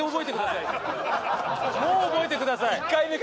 はいもう覚えてください